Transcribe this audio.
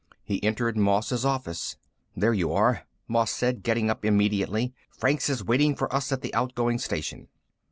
He entered Moss's office. "There you are," Moss said, getting up immediately. "Franks is waiting for us at the outgoing station."